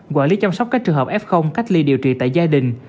quản lý chăm sóc các trường hợp f cách ly điều trị tại gia đình